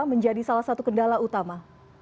menjadi salah satu kendala utama